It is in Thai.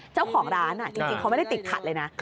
เจ้าของร้านจริงเขาไม่ได้ติดขัดเลยนะ